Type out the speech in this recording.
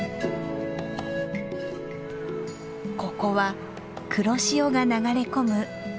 ここは黒潮が流れ込む豊かな海。